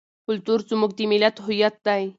کلتور زموږ د ملت هویت دی.